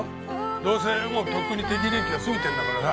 どうせもうとっくに適齢期は過ぎてんだからさ。